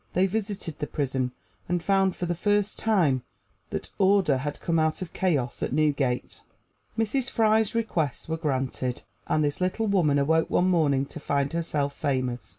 They visited the prison, and found for the first time that order had come out of chaos at Newgate. Mrs. Fry's requests were granted, and this little woman awoke one morning to find herself famous.